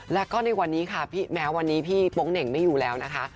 แล้วก็ในวันนี้ค่ะแม้วันนี้พี่โป๊งเหน่งไม่อยู่แล้วนะคะ